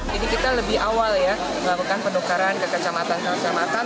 jadi kita lebih awal ya melakukan penukaran ke kecamatan kecamatan